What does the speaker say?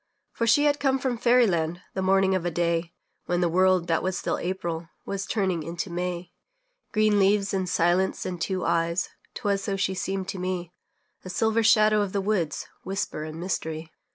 For she had come from fairy land, The morning of a day When the world that still was April Was turning into May. Green leaves and silence and two eyes 'Twas so she seemed to me; A silver shadow of the woods, Whisper and mystery.